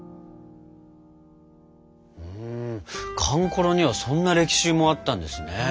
かんころにはそんな歴史もあったんですね。